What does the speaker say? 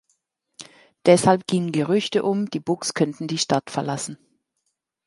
Deshalb gingen Gerüchte um, die Bucks könnten die Stadt verlassen.